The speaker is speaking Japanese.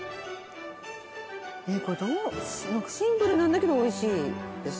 えっこれシンプルなんだけどおいしいです。